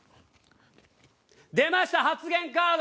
出ました発言カード！